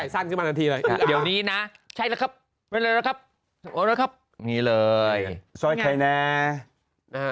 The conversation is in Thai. ซอยคอยเนรียม